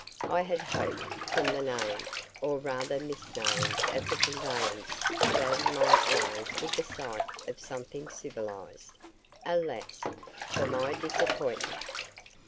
I had hoped, from the name, or rather misname, of the conveyance, to gladden my eyes with the sight of something civilized. Alas, for my disappointment!